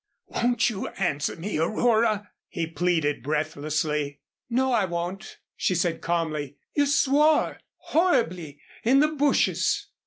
"Won't you answer me, Aurora?" he pleaded, breathlessly. "No, I won't," she said, calmly. "You swore horribly in the bushes."